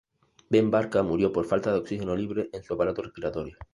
Ben Barka murió por falta de oxígeno libre en su Aparato respiratorio.